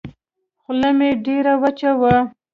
خوله مې ډېره وچه وه.